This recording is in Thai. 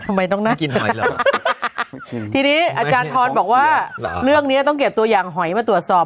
ทำไมต้องน่ากินหอยเหรอทีนี้อาจารย์ทรบอกว่าเรื่องเนี้ยต้องเก็บตัวอย่างหอยมาตรวจสอบ